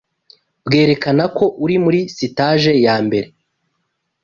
bwerekana ko uri muri Sitage ya mbere